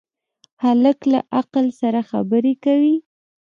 هلک له عقل سره خبرې کوي.